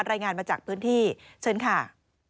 รายงานมาจากพื้นที่เชิญค่ะ